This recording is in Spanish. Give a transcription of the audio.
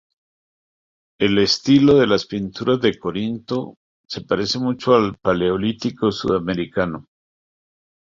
El estilo de las pinturas de Corinto se parece mucho al del paleolítico sudamericano.